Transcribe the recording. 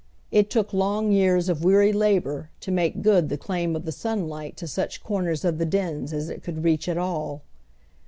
It took long jeai a of weary labor to make good the claim of the sunlight to such comers of tlie dens as it could reach at all.